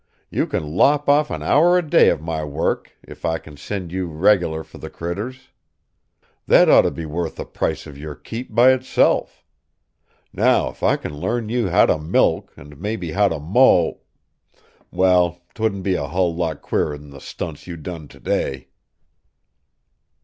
You can lop off an hour a day of my work if I c'n send you reg'lar for the critters. That ought to be worth the price of your keep, by itself. Now if I c'n learn you how to milk an' maybe how to mow well, 'twouldn't be a hull lot queerer'n the stunts you done to day!"